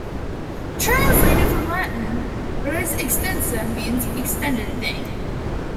Translated from Latin, "res extensa" means "extended thing".